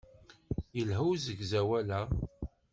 Yelha usegzawal-a.